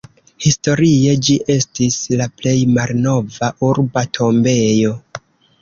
Historie ĝi estis la plej malnova urba tombejo.